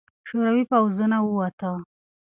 شوروي پوځونه ووته.